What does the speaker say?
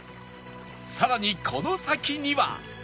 さらにこの先には